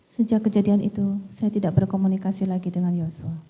sejak kejadian itu saya tidak berkomunikasi lagi dengan yosua